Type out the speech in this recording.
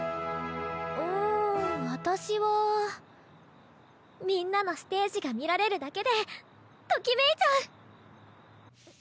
うん私はみんなのステージが見られるだけでトキめいちゃう！